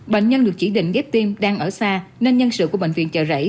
bệnh nhân được chỉ định ghép tim đang ở xa nên nhân sự của bệnh viện chợ rẫy